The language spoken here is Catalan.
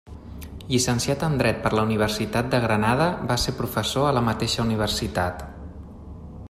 Llicenciat en Dret per la Universitat de Granada, va ser professor a la mateixa universitat.